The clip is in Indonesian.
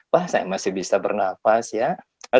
wah saya masih bisa bernafas ya